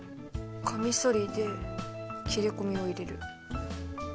カミソリで切れ込みを入れる。